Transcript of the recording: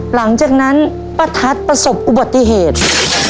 หลังจากนั้นป้าทัศน์ประสบอุบัติเหตุ